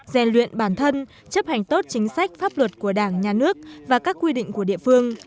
gian luyện bản thân chấp hành tốt chính sách pháp luật của đảng nhà nước và các quy định của địa phương